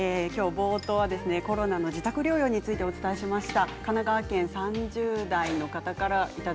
冒頭はコロナの自宅療養についてお伝えしました。